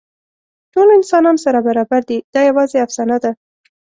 ټول انسانان سره برابر دي، دا یواځې افسانه ده.